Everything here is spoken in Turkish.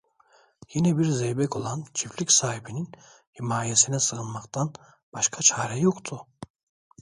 Yine bir zeybek olan çiftlik sahibinin himayesine sığınmaktan başka çare yoktu.